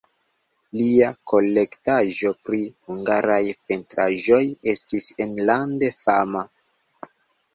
Lia kolektaĵo pri hungaraj pentraĵoj estis enlande fama.